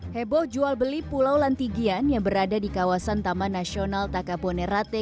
hai heboh jual beli pulau lantigian yang berada di kawasan taman nasional takabonerate